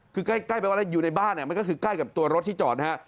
คือใกล้แปลว่าอะไรอยู่ในบ้านมันก็คือใกล้กับตัวรถที่จอดนะฮะ